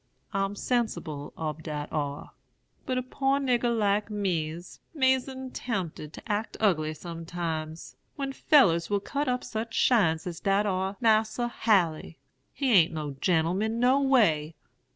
I'm sensible ob dat ar. But a poor nigger like me's 'mazin' tempted to act ugly sometimes, when fellers will cut up such shines as dat ar Mas'r Haley. He a'n't no gen'l'man no way.